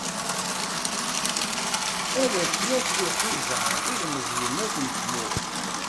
Ad t-yaf deg Ḥiẓer, ilmeẓyen akk n tmurt.